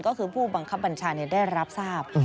ก็คือผู้บังคับบัญชาได้รับทราบ